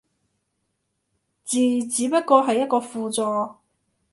字只不過係一個輔助